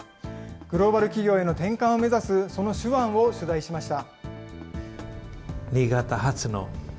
グローバル企業への転換を目指す、その手腕を取材しました。